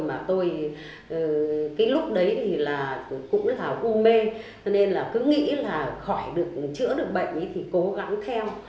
mà tôi lúc đấy cũng là u mê nên cứ nghĩ là khỏi được chữa được bệnh thì cố gắng theo